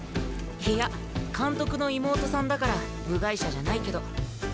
いや監督の妹さんだから部外者じゃないけど。